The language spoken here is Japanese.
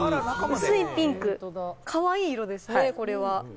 薄いピンク、かわいい色ですね、これは。